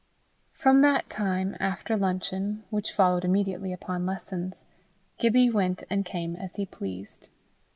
From that time, after luncheon, which followed immediately upon lessons, Gibbie went and came as he pleased.